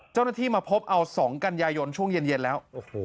เจ้าหน้าที่มาพบเอา๒กันยายนช่วงเย็นแล้ว